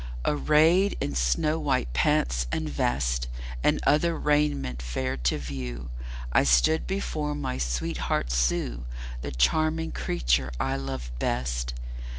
Arrayed in snow white pants and vest, And other raiment fair to view, I stood before my sweetheart Sue The charming creature I love best.